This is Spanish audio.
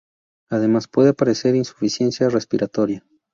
Además puede aparecer insuficiencia respiratoria.